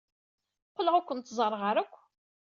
Qqleɣ ur kent-ẓerreɣ ara akk.